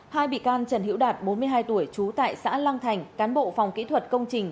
hai bị can trần hiễu đạt bốn mươi hai tuổi trú tại xã lăng thành cán bộ phòng kỹ thuật công trình